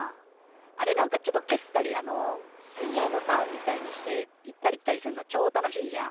あれなんかちょっとけったりあの水泳のターンみたいにして行ったり来たりすんのちょ楽しいじゃん。